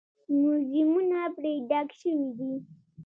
موزیمونه پرې ډک شوي دي.